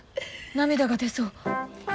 涙が出そう。